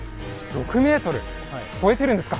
超えてるんですか！